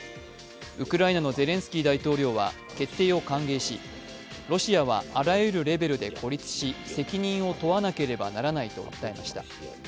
ウクライナのゼレンスキー大統領は決定を歓迎しロシアはあらゆるレベルで孤立し責任を問わなければならないと訴えました。